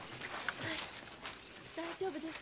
はい大丈夫です。